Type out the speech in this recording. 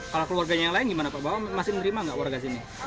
kalau keluarganya yang lain gimana pak bapak masih menerima nggak warga sini